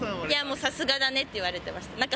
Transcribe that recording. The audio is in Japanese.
いやもう、さすがだねっていわれてました。